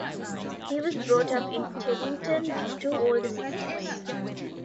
He was brought up in Teddington with two older sisters.